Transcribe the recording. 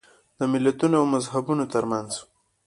د ملتونو او مذهبونو ترمنځ.